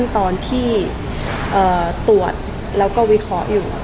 ตรวจแล้วก็วิเคราะห์อยู่